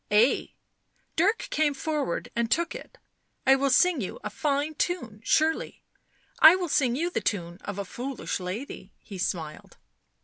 " Ay." Dirk came forward and took it. "I will sing you a fine tune, surely. I will sing you the tune of a foolish lady," he smiled.